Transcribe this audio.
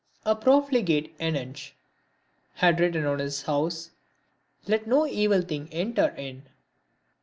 A profligate eunuch had written on his house, " Let no evil thing enter in."